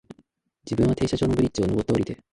自分は停車場のブリッジを、上って、降りて、